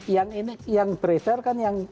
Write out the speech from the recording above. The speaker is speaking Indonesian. yang ini yang beredar kan yang